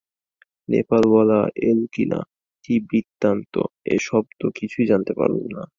নেপালওয়ালা এল কিনা, কি বৃত্তান্ত, এ-সব তো কিছুই জানতে পারলুম না।